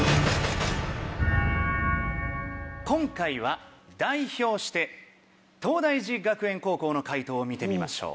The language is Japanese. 今回は代表して東大寺学園高校の解答を見てみましょう。